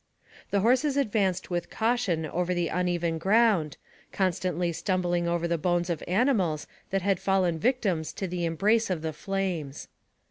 The horses advanced with caution over the uneven ground, constantly stumbling over the bones of ani mals that had fallen victims to the embrace of the flames.